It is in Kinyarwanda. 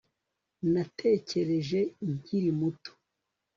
Natekereje nkiri muto